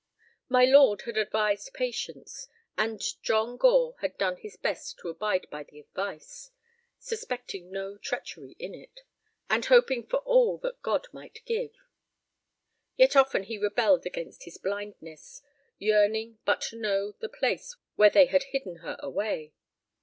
My lord had advised patience, and John Gore had done his best to abide by the advice, suspecting no treachery in it, and hoping for all that God might give. Yet often he rebelled against his blindness, yearning but to know the place where they had hidden her away.